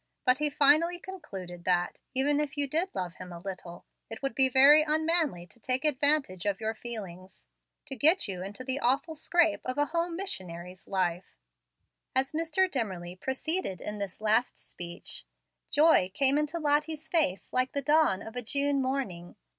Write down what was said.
But he finally concluded that, even if you did love him a little, it would be very unmanly to take advantage of your feelings to get you into the awful scrape of a home missionary's life." As Mr. Dimmerly proceeded in this last speech, joy came into Lottie's face like the dawn of a June morning.